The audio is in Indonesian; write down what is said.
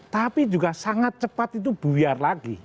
tapi juga sangat cepat itu buyar lagi